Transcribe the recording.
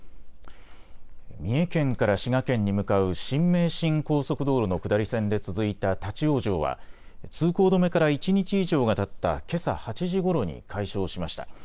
三重県から滋賀県に向かう新名神高速道路の下り線で続いた立往生は通行止めから一日以上がたったけさ８時ごろに解消しました。